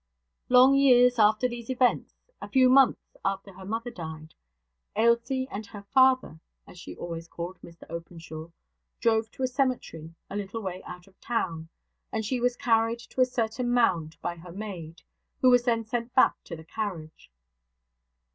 Long years after these events a few months after her mother died Ailsie and her 'father' (as she always called Mr Openshaw) drove to a cemetery a little way out of town, and she was carried to a certain mound by her maid, who was then sent back to the carriage.